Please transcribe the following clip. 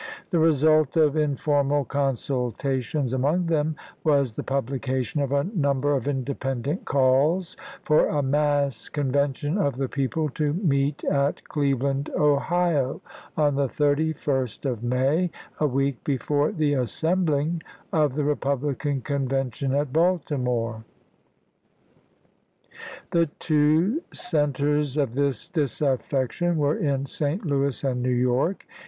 The result of informal consultations among them was the publication of a number of independent calls for a mass convention of the people to meet at Cleveland, Ohio, on the 31st of May, a week before the assembling of the Repub lican Convention at Baltimore. The two centers of this disaffection were in St. Louis and New York.